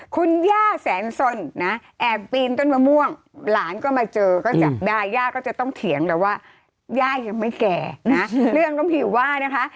คุณย่าแสนสนนะแอบปีนต้นมะม่วงหลานก็มาเจอก็จับได้ย่าก็จะต้องเถียงแล้วว่าย่ายังไม่แก่นะเรื่องน้องผิวว่านะคะ